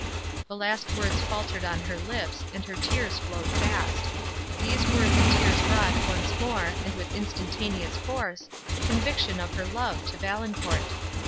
The last words faltered on her lips, and her tears flowed fast. These words and tears brought, once more, and with instantaneous force, conviction of her love to Valancourt.